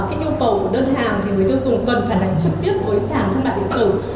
cái yêu cầu đơn hàng thì người tiêu dùng cần phải đánh trực tiếp với sản thương mại điện tử